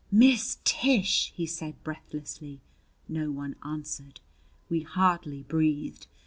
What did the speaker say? "Miss Tish!" he said breathlessly. No one answered. We hardly breathed.